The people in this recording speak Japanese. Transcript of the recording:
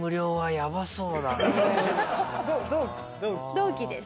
同期です。